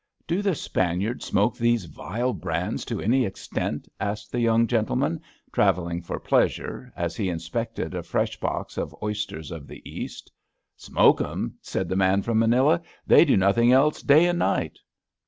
Do the Spaniards smoke these vile brands to any extent? *' asked the Young Gentleman travel ling for Pleasure as he inspected a fresh box of Oysters of the East. Smoke *eml '* said the man from Manila; *' they do nothing else day and night.'